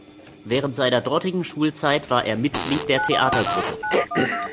Während seiner dortigen Schulzeit war er Mitglied der Theatergruppe.